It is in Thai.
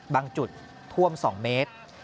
บางจุดท่วม๒เมตร